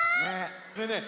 ねえねえ